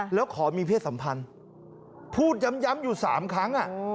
แล้วขอมีเพศสัมพันธ์พูดย้ำอยู่๓ครั้ง